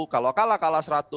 kalau kalah kalah seratus